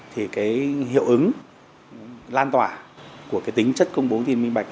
thì cái hiệu ứng lan tỏa của cái tính chất công bố tin minh bạch